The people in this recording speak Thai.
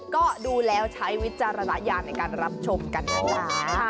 ก็ดูแล้วใช้วิจารณญาณในการรับชมกันนะจ๊ะ